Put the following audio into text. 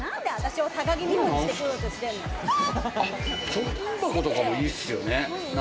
貯金箱とかもいいですよね。